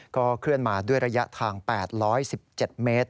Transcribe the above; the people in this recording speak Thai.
เคลื่อนมาด้วยระยะทาง๘๑๗เมตร